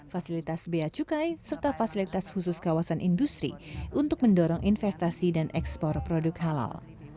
fasilitas biaya cukai serta fasilitas khusus kawasan industri untuk mendorong investasi dan ekspor produk halal